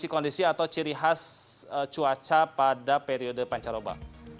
kondisi atau ciri khas cuaca pada periode pancaroba